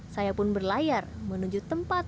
saya pun berlayar menuju tempat